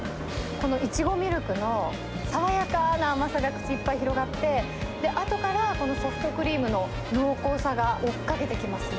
このイチゴミルクの爽やかな甘さが口いっぱい広がって、あとから、このソフトクリームの濃厚さが追っかけてきますね。